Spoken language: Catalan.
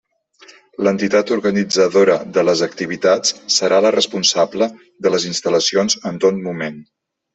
L'entitat organitzadora de les activitats serà la responsable de les instal·lacions en tot moment.